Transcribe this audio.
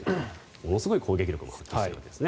ものすごい攻撃力を発揮しているわけです。